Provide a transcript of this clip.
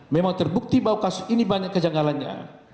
memang terbukti bahwa kasus ini banyak kejanggalannya